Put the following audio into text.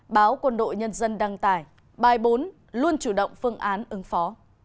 báo quân đội nhân dân đăng tải bài bốn luôn chủ động phương án ứng phó